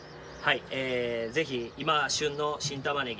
ぜひ今旬の新たまねぎ